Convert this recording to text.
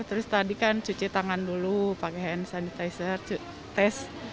terus tadi kan cuci tangan dulu pakai hand sanitizer tes